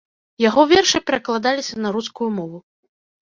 Яго вершы перакладаліся на рускую мову.